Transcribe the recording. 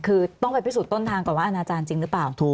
คือต้องไปพิสูจนต้นทางก่อนว่าอนาจารย์จริงหรือเปล่า